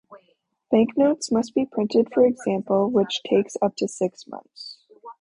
Banknotes must be printed for example, which takes up to six months.